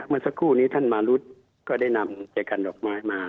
เมื่อสักครู่นี้ท่านมารุธก็ได้นำใจกันดอกไม้มา